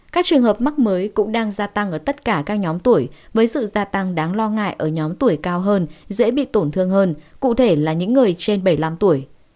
các trường hợp mắc mới cũng đang gia tăng ở tất cả các nhóm tuổi với sự gia tăng đáng lo ngại ở nhóm tuổi cao hơn dễ bị tổn thương hơn cụ thể là những người trên bảy mươi năm tuổi